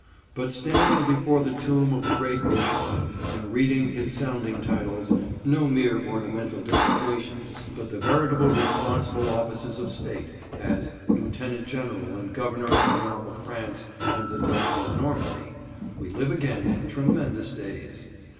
But standing before the tomb of the great Beauchamp, and reading his sounding titles, no mere ornamental designations, but the veritable responsible offices of State, as "Lieutenant General and Governor of the Realm of France and the Duchy of Normandy," we live again in tremendous days.